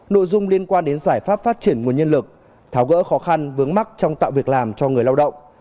nội dung liên quan đến giải pháp phát triển nguồn nhân lực tháo gỡ khó khăn vướng mắt trong tạo việc làm cho người lao động